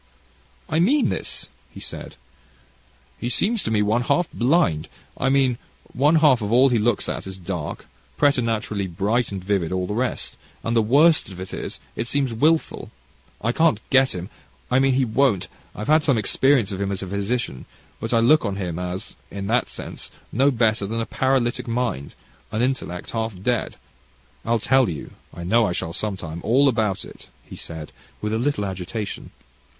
"I mean this," he said: "he seems to me, one half, blind I mean one half of all he looks at is dark preternaturally bright and vivid all the rest; and the worst of it is, it seems wilful. I can't get him I mean he won't I've had some experience of him as a physician, but I look on him as, in that sense, no better than a paralytic mind, an intellect half dead. I'll tell you I know I shall some time all about it," he said, with a little agitation.